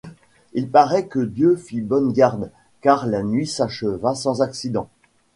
Il paraît que Dieu fit bonne garde, car la nuit s’acheva sans accident.